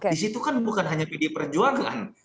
disitu kan bukan hanya pdi perjuangan